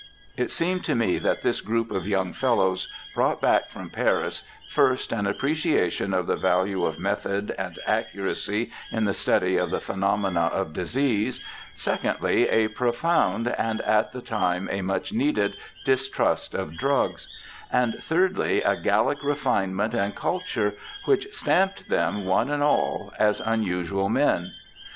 It seems to me that this group of young fellows brought back from Paris, first, an appreciation of the 236 BIOGRAPHICAL ESSAYS value of method and accuracy in the study of the phenomena of disease ; secondly, a profound, and at the time a much needed, distrust of drugs ; and, thirdly, a Gallic refinement and culture which stamped them, one and all, as unusual men.